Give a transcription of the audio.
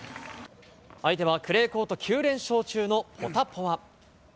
相手はクレーコート９連勝中のポタポワ。